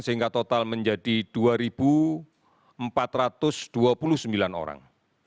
sehingga total menjadi tujuh belas delapan ratus delapan puluh tiga orang